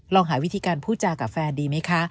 ลองหาวิธีการพูดจากับแฟนดีไหมคะ